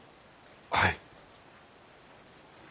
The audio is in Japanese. はい。